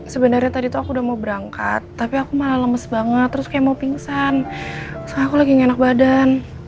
sebenarnya tadi tuh aku udah mau berangkat tapi aku malah lemes banget terus kayak mau pingsan aku lagi ngenak badan